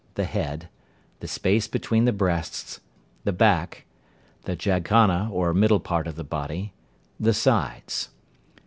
The head. The space between the breasts. The back. The jaghana, or middle part of the body. The sides.